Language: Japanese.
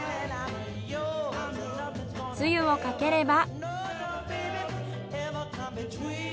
つゆをかければ。